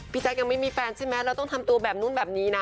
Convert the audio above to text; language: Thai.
แจ๊คยังไม่มีแฟนใช่ไหมเราต้องทำตัวแบบนู้นแบบนี้นะ